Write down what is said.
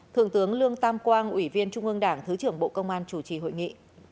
thượng tướng lương tam quang ủy viên trung ương đảng thứ trưởng bộ công an chủ trì hội nghị